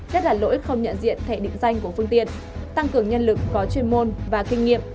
nhất là lỗi không nhận diện thẻ định danh của phương tiện tăng cường nhân lực có chuyên môn và kinh nghiệm